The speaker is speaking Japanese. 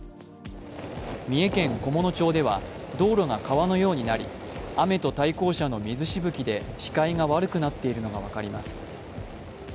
三重県菰野町では道路が川のようになり雨と対向車の水しぶきで視界が悪くなっているのが分かります。